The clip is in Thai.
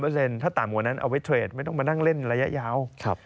ถ้าต่ำกว่านั้นเอาไว้เทรดไม่ต้องมานั่งเล่นระยะยาว